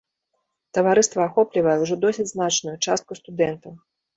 Таварыства ахоплівае ўжо досыць значную частку студэнтаў.